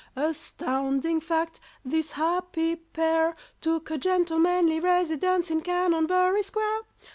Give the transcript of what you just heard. Astounding fact! this happy pair Took a gentlemanly residence in Canonbury Square!